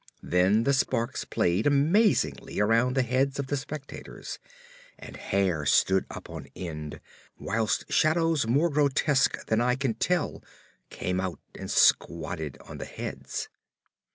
Then the sparks played amazingly around the heads of the spectators, and hair stood up on end whilst shadows more grotesque than I can tell came out and squatted on the heads.